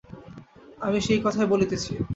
আমি সেই কথাই বলিতেছি।